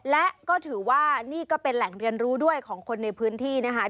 และก็ถือว่านี่ก็เป็นแหล่งเรียนรู้ด้วยของคนในพื้นที่นะคะ